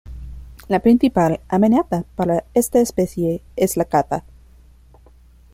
La principal amenaza para esta especie es la caza.